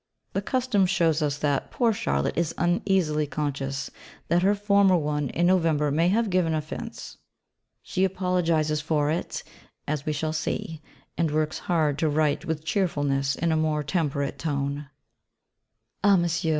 The custom shows us that poor Charlotte is uneasily conscious that her former one in November may have given offence. She apologises for it, as we shall see; and works hard to write with cheerfulness in a more temperate tone: Ah, Monsieur!